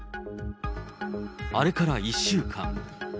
あれから１週間。